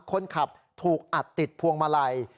คนขับถูกอัดติดพวงมาลัย